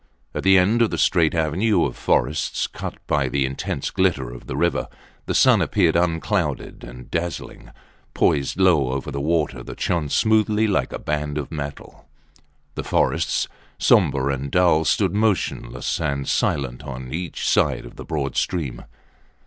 At the end of the straight avenue of forests cut by the intense glitter of the river, the sun appeared unclouded and dazzling, poised low over the water that shone smoothly like a band of metal. The forests, sombre and dull, stood motionless and silent on each side of the broad stream.